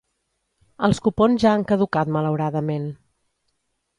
Els cupons ja han caducat malhauradament.